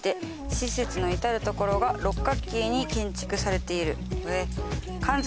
「施設の至るところが六角形に建築されている上」